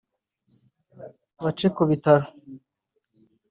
bace ku bitaro